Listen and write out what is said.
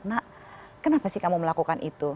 nak kenapa sih kamu melakukan itu